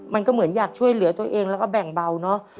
มันก็เหมือนอยากช่วยเหลือตัวเองแล้วก็แบ่งเบาเนอะ